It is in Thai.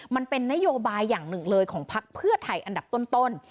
มันเป็นนโยบายอย่างหนึ่งเลยของพักเพื่อไทยอันดับต้น